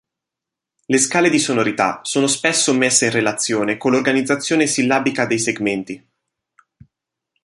Le scale di sonorità sono spesso messe in relazione con l'organizzazione sillabica dei segmenti.